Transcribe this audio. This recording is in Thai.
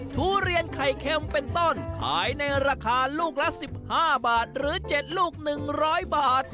ทุเรียนไข่เค็มเป็นต้นขายในราคาลูกละ๑๕บาทหรือ๗ลูก๑๐๐บาท